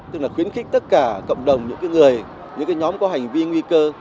tức là khuyến khích tất cả cộng đồng những người những cái nhóm có hành vi nguy cơ